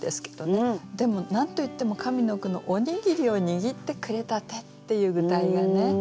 でも何と言っても上の句の「おにぎりを握ってくれた手」っていう具体がね